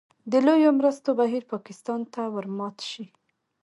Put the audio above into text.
د لویو مرستو بهیر پاکستان ته ورمات شي.